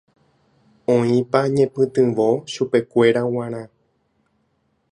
Oĩpa ñepytyvõ chupekuéra g̃uarã.